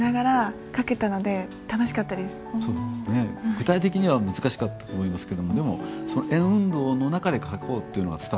具体的には難しかったと思いますけども円運動の中で書こうというのが伝わってきます。